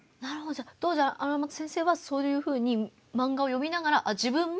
じゃあ当時荒俣先生はそういうふうにマンガを読みながら自分も。